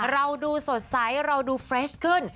เราดูสดใสเราดูเฟรชขึ้น